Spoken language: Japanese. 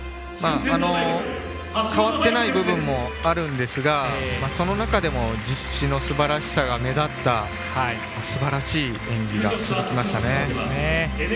変わっていない部分があると思うんですがその中でも実施のすばらしさが目立ったすばらしい演技が続きました。